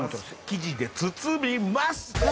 生地で包みます！